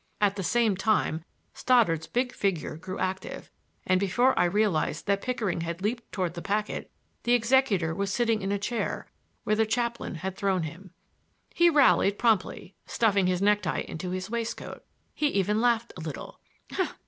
At the same time Stoddard's big figure grew active, and before I realized that Pickering had leaped toward the packet, the executor was sitting in a chair, where the chaplain had thrown him. He rallied promptly, stuffing his necktie into his waistcoat; he even laughed a little.